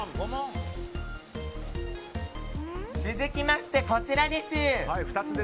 続きまして、こちらです。